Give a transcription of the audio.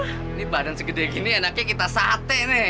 ini badan segede gini enaknya kita sate nih